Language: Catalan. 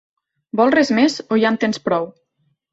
Vols res més o ja en tens prou?